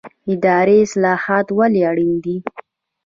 اداري اصلاحات ولې اړین دي؟